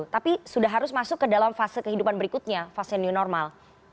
tapi sudah harus masuk ke dalam fase kehidupan berikutnya fase new normal